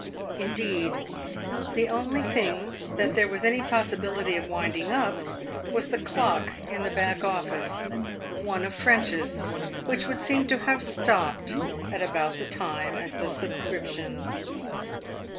Indeed, the only thing that there was any possibility of winding up was the clock in the back office — one of French's — which would seem to have stopped about the same time as the subscriptions.